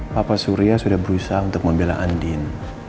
papa surya sudah berusaha untuk membela andien